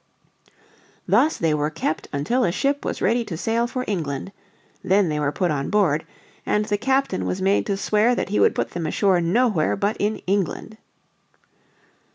Thus they were kept until a ship was ready to sail for England. Then they were put on board, and the captain was made to swear that he would put them ashore nowhere but in England.